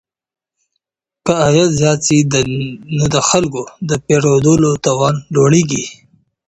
که عايد زيات سي نو د خلګو د پيرودلو توان لوړيږي.